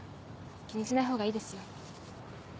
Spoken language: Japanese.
気にしないほうがいいですよ。